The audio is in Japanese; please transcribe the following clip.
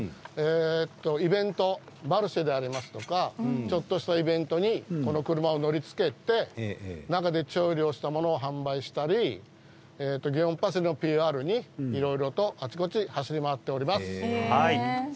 イベント、マルシェであるとかちょっとしたイベントにこの車を乗りつけて中で調理したものを販売したり祇園パセリのＰＲにあちこち走り回っています。